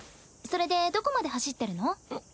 それでどこまで走ってるの？